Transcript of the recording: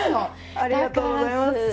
ありがとうございます。